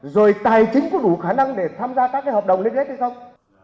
rồi tài chính có đủ khả năng để tham gia các hợp đồng liên kết hay không